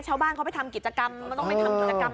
ชาวบ้านเขาไปทำกิจกรรมมันต้องไปทำกิจกรรม